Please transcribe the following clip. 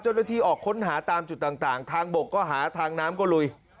ออกค้นหาตามจุดต่างทางบกก็หาทางน้ำก็ลุย